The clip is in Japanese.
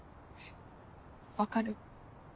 分かる？